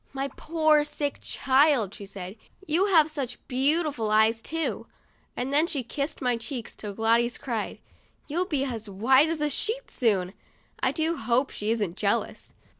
" My poor sick child/' she said; "you have such beau tiful eyes, too," and then she kissed my cheeks till Gladys cried, " You'll be as white as a sheet, soon." I do hope she isn't jealous.